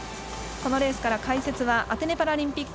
このレースから解説はアテネパラリンピック